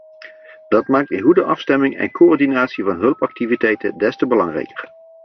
Dat maakt een goede afstemming en coördinatie van hulpactiviteiten des te belangrijker.